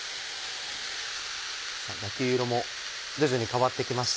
焼き色も徐々に変わってきました。